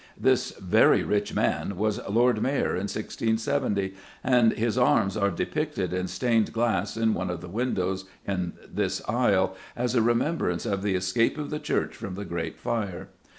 This "very rich man" was Lord Mayor in 1670, and his arms are depicted in stained glass on one of the windows of this aisle "as a remembrance of the escape of the church from the Great Fire."